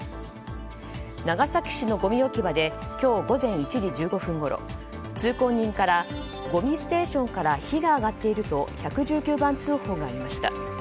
長崎市のごみ置き場で今日午前１時１５分ごろ通行人からごみステーションから火が上がっていると１１９番通報がありました。